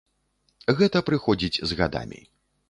Гэта прыходзіць з гадамі.